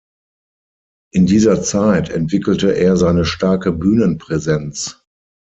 In dieser Zeit entwickelte er seine starke Bühnenpräsenz.